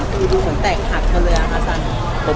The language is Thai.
คือดูเหมือนแตกหักมาเลยอะค่ะสัง